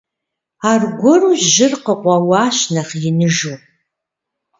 Аргуэру жьыр къыкъуэуащ, нэхъ иныжу.